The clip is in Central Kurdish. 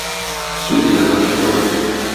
سوودی لە دۆخەکە وەرگرت.